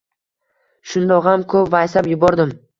Shundog`am ko`p vaysab yubordim